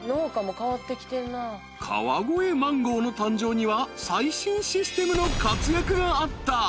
［川越マンゴーの誕生には最新システムの活躍があった］